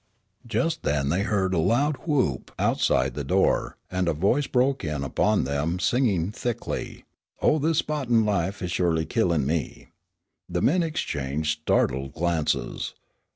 Just then they heard a loud whoop outside the door, and a voice broke in upon them singing thickly, "Oh, this spo'tin' life is surely killin' me." The men exchanged startled glances.